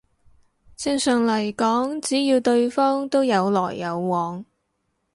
正常嚟講只要對方都有來有往